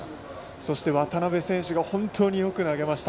そして渡邊選手が本当によく投げました。